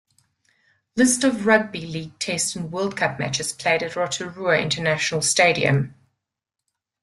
List of rugby league Test and World Cup matches played at Rotorua International Stadium.